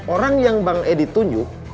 orang yang bang edi tunjuk